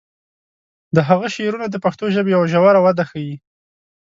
د هغه شعرونه د پښتو ژبې یوه ژوره وده ښیي.